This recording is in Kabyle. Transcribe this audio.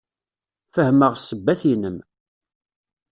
Fehmeɣ ssebbat-inem.